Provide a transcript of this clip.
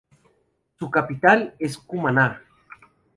Su capital es Cumaná.